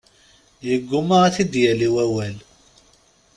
Yeggumma ad t-id-yali wawal.